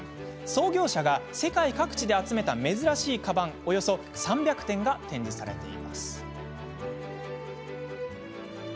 創業者が世界各地で集めた珍しいかばん、およそ３００点展示されています。